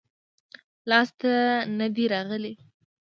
لاس ته نه دي راغلي-